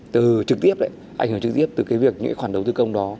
từ trực tiếp đấy ảnh hưởng trực tiếp từ cái việc những khoản đầu tư công đó